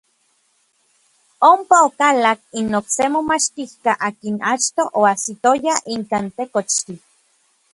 Ompa okalak n okse momachtijka akin achtoj oajsitoya ikkan tekochtli.